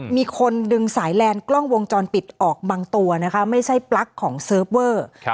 มีคนดึงสายแลนด์กล้องวงจรปิดออกบางตัวนะคะไม่ใช่ปลั๊กของเซิร์ฟเวอร์